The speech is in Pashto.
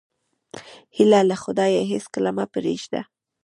هیله له خدایه هېڅکله مه پرېږده.